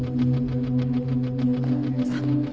さあ。